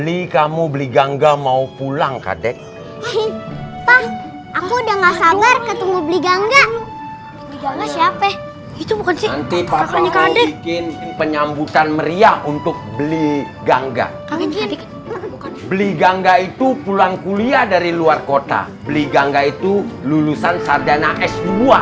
itu pulang kuliah dari luar kota beli gangga itu lulusan sardana s dua